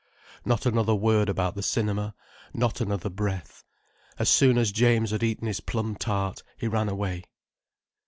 Not another word about the cinema: not another breath. As soon as James had eaten his plum tart, he ran away.